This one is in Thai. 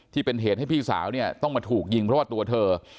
ที่เป็นเหตุให้พี่สาวเนี่ยต้องมาถูกยิงเพราะว่าตัวเธอ